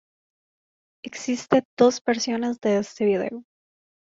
Existe dos versiones de este video.